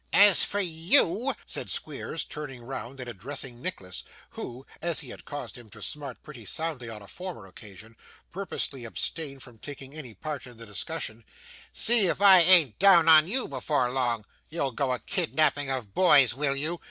'As for you,' said Squeers, turning round and addressing Nicholas, who, as he had caused him to smart pretty soundly on a former occasion, purposely abstained from taking any part in the discussion, 'see if I ain't down upon you before long. You'll go a kidnapping of boys, will you?